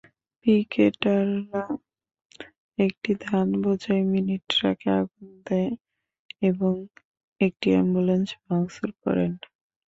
পিকেটাররা একটি ধানবোঝাই মিনি ট্রাকে আগুন দেন এবং একটি অ্যাম্বুলেন্স ভাঙচুর করেন।